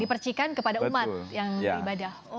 dipercikan kepada umat yang beribadah